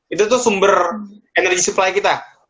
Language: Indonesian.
itu tuh sumber energi supply kita